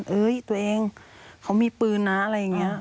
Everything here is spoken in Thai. เอ้ยตัวเองเขามีปืนนะอะไรอย่างนี้